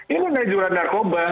ini nanya jualan narkoba